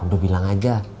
udah bilang aja